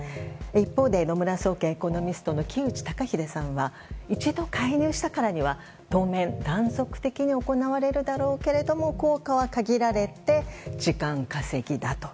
一方で、野村総研エコノミストの木内登英さんは一度介入したからには当面、断続的に行われるだろうけれども効果は限られて時間稼ぎだと。